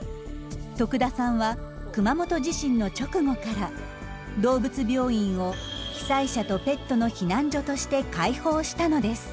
田さんは熊本地震の直後から動物病院を被災者とペットの避難所として開放したのです。